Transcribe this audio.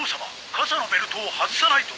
傘のベルトを外さないと」